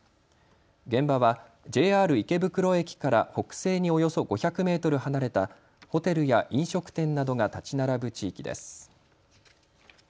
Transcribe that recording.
現場はＪＲ池袋駅から北西におよそ５００メートル離れたホテルや飲食店などが建ち並ぶ地域です。